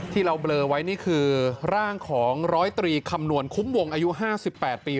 ที่เราเบลอไว้นี่คือร่างของร้อยตรีคำนวณคุ้มวงอายุ๕๘ปี